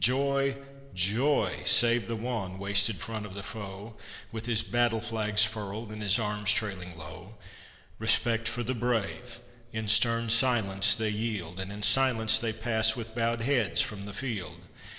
Joy, joy! Save the wan, wasted front of the foe, With his battle flags furled and his arms trailing low; Respect for the brave! In stern silence they yield, And in silence they pass with bowed heads from the field.